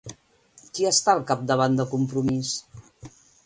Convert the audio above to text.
Qui està al capdavant de Compromís?